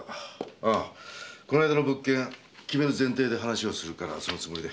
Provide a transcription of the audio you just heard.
ああこの間の物件決める前提で話をするからそのつもりで。